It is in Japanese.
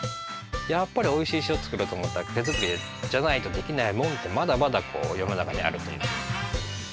やっぱりおいしい塩作ろうとおもったらてづくりじゃないとできないもんってまだまだよのなかにあるというか。